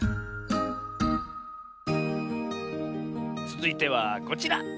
つづいてはこちら。